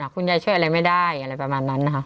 คุณยายช่วยอะไรไม่ได้อะไรประมาณนั้นนะคะ